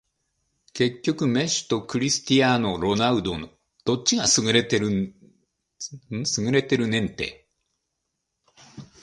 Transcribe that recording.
結局メッシとクリスティアーノ・ロナウドどっちが優れてるねんて